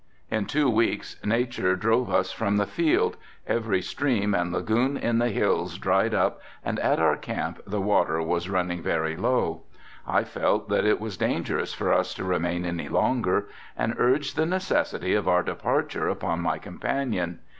In two weeks nature drove us from the field, every stream and lagoon in the hills dried up and at our camp the water was running very low. I felt that it was dangerous for us to remain any longer and urged the necessity of our departure upon my companion.